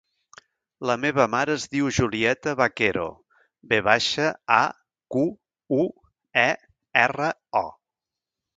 La meva mare es diu Julieta Vaquero: ve baixa, a, cu, u, e, erra, o.